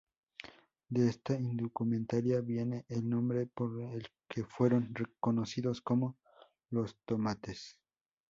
De esta indumentaria viene el nombre por el que fueron conocidos, como ""los tomates"".